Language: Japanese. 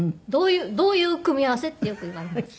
どういう組み合わせ？ってよく言われます。